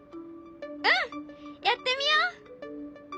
うんやってみよう！